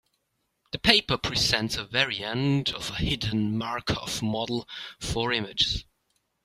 The paper presents a variant of a hidden Markov model for images.